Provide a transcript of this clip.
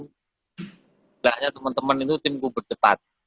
setelahnya teman teman itu timku berdepan